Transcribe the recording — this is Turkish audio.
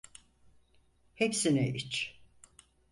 Hepsini iç.